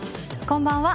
こんばんは。